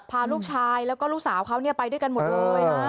พาลูกชายแล้วก็ลูกสาวเขาไปด้วยกันหมดเลย